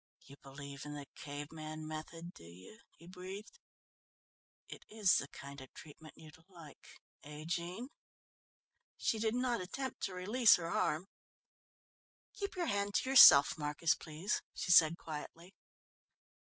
"You believe in the cave man method, do you?" he breathed. "It is the kind of treatment you'd like, eh, Jean?" She did not attempt to release her arm. "Keep your hand to yourself, Marcus, please," she said quietly.